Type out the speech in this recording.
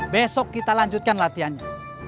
besok kita lanjutkan latihannya